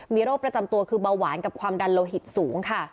มีโรคประจำตัวคือเบาหวานกับความดันโลหิตสูงค่ะ